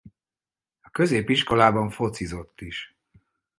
A középiskolában focizott is.